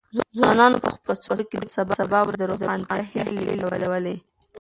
ځوانانو په خپلو کڅوړو کې د سبا ورځې د روښانتیا هیلې لېږدولې.